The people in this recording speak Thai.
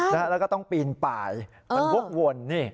แล้วก็ต้องปีนป่ายมันวกวนนี่